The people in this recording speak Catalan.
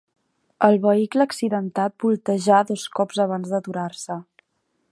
El vehicle accidentat voltejà dos cops abans d'aturar-se.